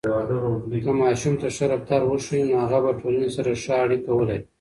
که ماشوم ته ښه رفتار وښیو، نو هغه به ټولنې سره ښه اړیکه ولري.